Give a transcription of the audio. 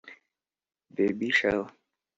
Baby Shower